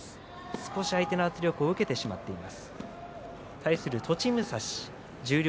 少し相手の圧力を受けてしまっています。